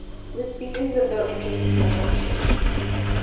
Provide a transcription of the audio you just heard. This species is of no interest to commercial fisheries.